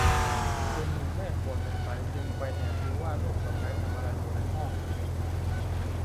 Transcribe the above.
คืนหนึ่งแม่ผัวสงสัยจึงไปแอบดูว่าลูกสะใภ้ทำอะไรอยู่ในห้อง